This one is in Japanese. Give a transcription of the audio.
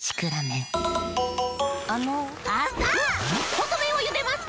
ほそめんをゆでます！